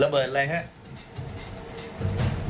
ระเบิดอะไรครับ